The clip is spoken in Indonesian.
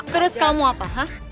terus kamu apa